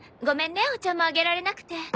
ごめんねお茶もあげられなくて。